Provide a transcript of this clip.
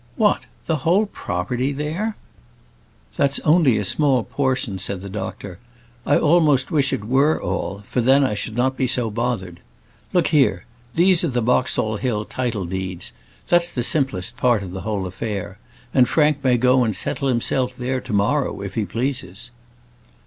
"What, the whole property there?" "That's only a small portion," said the doctor. "I almost wish it were all, for then I should not be so bothered. Look here; these are the Boxall Hill title deeds; that's the simplest part of the whole affair; and Frank may go and settle himself there to morrow if he pleases."